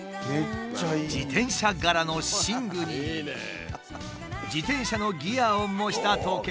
自転車柄の寝具に自転車のギアを模した時計。